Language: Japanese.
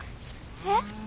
えっ。